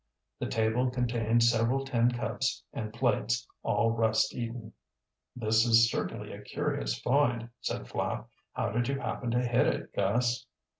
The table contained several tin cups and plates, all rust eaten. "This is certainly a curious find," said Flapp. "How did you happen to hit it, Gus?"